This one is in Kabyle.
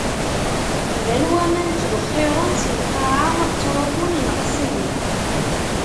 Bdan waman ttwexxiṛen si lqaɛa, ttṛuḥun, neqqsen.